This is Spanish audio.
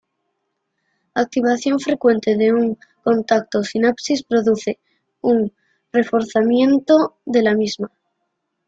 La activación frecuente de un contacto o sinapsis produce un reforzamiento de la misma.